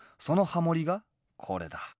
そのハモりがこれだ